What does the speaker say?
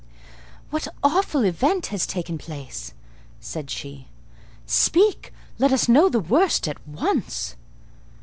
"What awful event has taken place?" said she. "Speak! let us know the worst at once!"